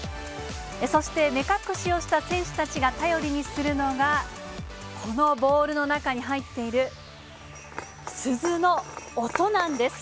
そして目隠しをした選手たちが頼りにするのが、このボールの中に入っている鈴の音なんです。